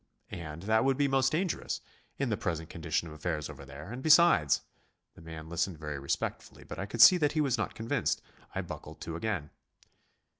And that would be most dangerous in the present condition of affairs over there, and besides....' The man listened very respectfully, but I could see that he was not convinced. I buckled to again...."